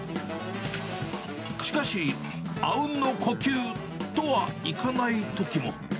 しかし、あうんの呼吸とはいかないときも。